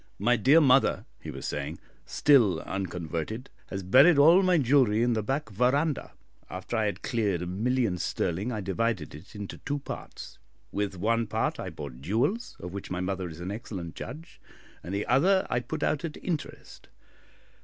"My dear mother," he was saying, "still unconverted, has buried all my jewellery in the back verandah. After I had cleared a million sterling, I divided it into two parts; with one part I bought jewels, of which my mother is an excellent judge, and the other I put out at interest.